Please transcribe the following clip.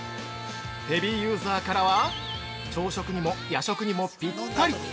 ヘビーユーザーからは「朝食にも夜食にもピッタリ！」